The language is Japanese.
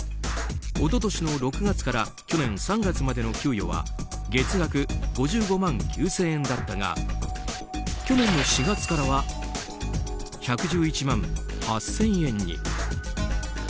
一昨年の６月から去年３月までの給与は月額５５万９０００円だったが去年の４月からは１１１万８０００円に。